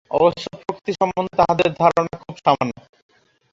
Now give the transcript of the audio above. অবশ্য প্রকৃতি সম্বন্ধে তাঁহাদের ধারণা খুব সামান্য।